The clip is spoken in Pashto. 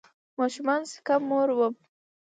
ماشومانو سکه مور وم